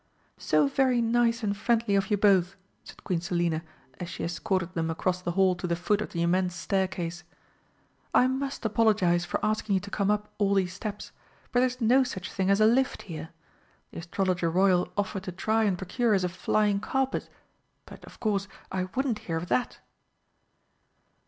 "So very nice and friendly of you both!" said Queen Selina as she escorted them across the hall to the foot of the immense staircase. "I must apologise for asking you to come up all these steps, but there's no such thing as a lift here. The Astrologer Royal offered to try and procure us a flying carpet but, of course, I wouldn't hear of that."